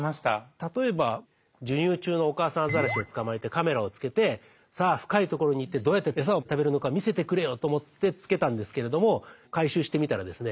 例えば授乳中のお母さんアザラシを捕まえてカメラをつけてさあ深い所に行ってどうやって餌を食べるのか見せてくれよと思ってつけたんですけれども回収してみたらですね